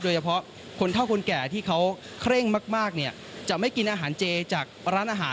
โดยเฉพาะคนเท่าคนแก่ที่เขาเคร่งมากเนี่ยจะไม่กินอาหารเจจากร้านอาหาร